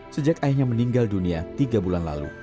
sejak ayahnya meninggal dunia tiga bulan lalu